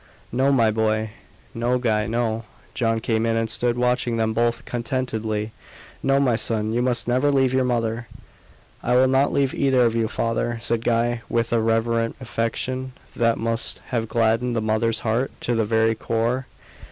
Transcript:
"No, my boy." "No, Guy, no." John came in, and stood watching them both contentedly. "No, my son, you must never leave your mother." "I will not leave either of you, father," said Guy, with a reverent affection that must have gladdened the mother's heart to the very core.